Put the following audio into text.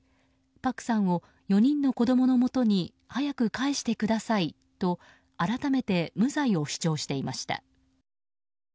パクさんを４人の子供のもとに早く帰してくださいと改めて無罪を主張していました。